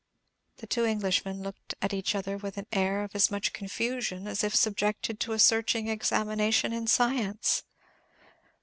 The two Englishmen looked at each other with an air of as much confusion as if subjected to a searching examination in science.